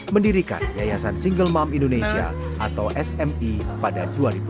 mendirikan yayasan single mom indonesia atau smi pada dua ribu dua belas